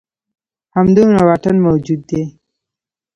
همدومره واټن موجود دی.